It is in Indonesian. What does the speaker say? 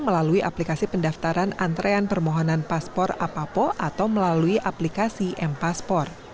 melalui aplikasi pendaftaran antrean permohonan paspor apapo atau melalui aplikasi mpaspor